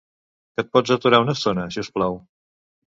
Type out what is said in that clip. Que et pots aturar una estona, si us plau?